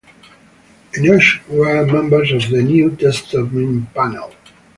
Enoch were members of the New Testament Panel.